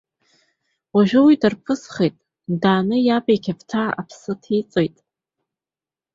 Уажәы уи дарԥысхеит, дааны иаб иқьаԥҭа аԥсы ҭеиҵоит.